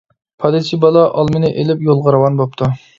پادىچى بالا ئالمىنى ئېلىپ يولغا راۋان بوپتۇ.